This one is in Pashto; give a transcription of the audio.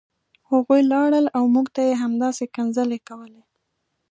هغوی لاړل او موږ ته یې همداسې کنځلې کولې